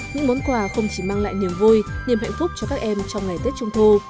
những món quà không chỉ mang lại niềm vui niềm hạnh phúc cho các em trong ngày tết trung thu